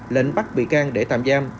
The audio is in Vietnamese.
lệnh bắt bị can để tạm giam